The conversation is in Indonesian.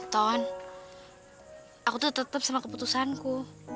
ton aku tuh tetap sama keputusanku